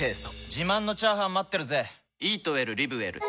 自慢のチャーハン待ってるぜ！